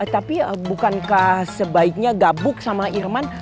tapi bukankah sebaiknya gabuk sama irman